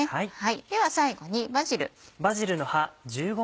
では最後にバジル。